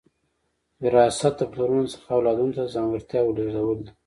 وراثت د پلرونو څخه اولادونو ته د ځانګړتیاوو لیږدول دي